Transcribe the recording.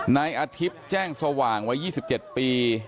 นายอธิบแจ้งสว่างวัย๒๗ปี